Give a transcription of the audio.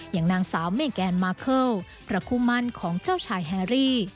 อย่างนางสาวเมแกนมาเคิลพระคู่มั่นของเจ้าชายแฮรี่